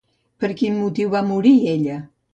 Per quin motiu va morir ella?